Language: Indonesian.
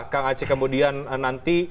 kang aci kemudian nanti